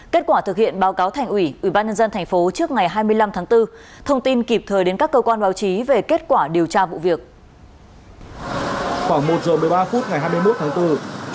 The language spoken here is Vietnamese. kết quả thực hiện báo cáo thành ủy ubnd tp trước ngày hai mươi năm tháng bốn thông tin kịp thời đến các cơ quan báo chí về kết quả điều tra vụ việc